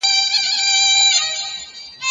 خلک د وېرې له امله سخت واک مني.